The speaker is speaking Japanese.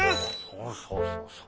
そうそうそうそう。